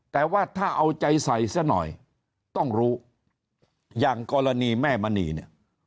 แต่ว่าถ้าเอาใจใส่ซะหน่อยต้องรู้อย่างกรณีแม่มณีเนี่ย